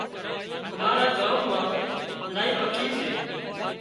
امارا ڳام مان الاهي پکي سي